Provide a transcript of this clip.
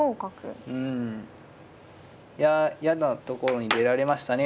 うんいや嫌なところに出られましたね。